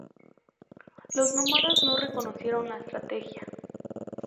Los nómadas no reconocieron la estrategia.